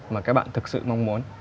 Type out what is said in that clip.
mà các bạn thực sự mong muốn